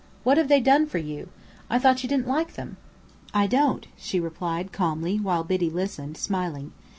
What have they done for you? I thought you didn't like them?" "I don't," she replied, calmly, while Biddy listened, smiling.